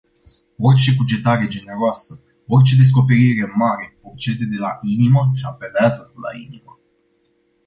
Orice cugetare generoasă, orice descoperire mare purcede de la inimă și apeleaza la inimă.